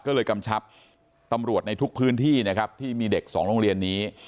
ก็เลยกำชับตำรวจในทุกพื้นที่นะครับที่มีเด็กสองโรงเรียนนี้